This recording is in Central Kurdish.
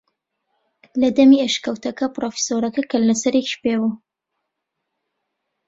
لە دەمی ئەشکەوتەکە پرۆفیسۆرەکە کەللەسەرێکی پێ بوو